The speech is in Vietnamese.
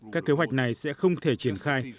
các kế hoạch này sẽ không thể triển khai